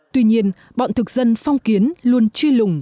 tuy nhiên bọn thực dân phong kiến luôn truy lùng